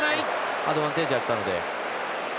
アドバンテージあったので。